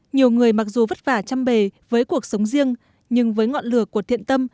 nhiều người mặc dù vất vả chăm bề với cuộc sống riêng nhưng với ngọn lửa của thiện tâm